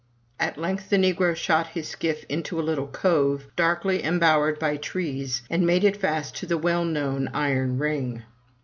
At length the negro shot his skiff into a little cove, darkly embowered by trees, and made it fast to the well known iron ring.